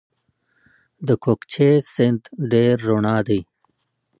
د کوکچې سیند ډیر رڼا دی